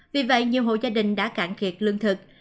vì vậy nhiều hộ gia đình đã cạn kiệt lương thực